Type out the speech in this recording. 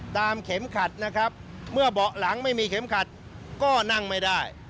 เข็มขัดนะครับเมื่อเบาะหลังไม่มีเข็มขัดก็นั่งไม่ได้